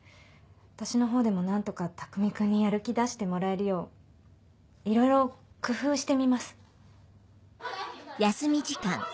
私のほうでも何とか匠君にやる気出してもらえるよういろいろ工夫してみます。